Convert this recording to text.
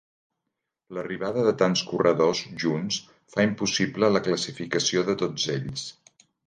L'arribada de tants corredors junts fa impossible la classificació de tots ells.